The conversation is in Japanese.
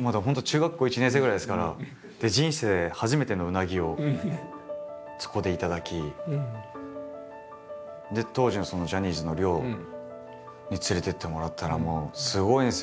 まだ本当中学校１年生ぐらいですから当時のジャニーズの寮に連れてってもらったらもうすごいんですよ